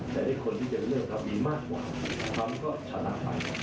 แต่คนที่จะเลือกก็มีมากกว่าคำสิทธิ์ก็ชนะไป